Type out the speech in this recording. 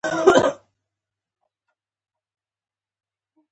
پښتو ژبه پنځه ی ګانې لري.